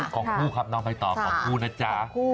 ของคู่ครับน้องใบต่อของคู่นะจ๊ะ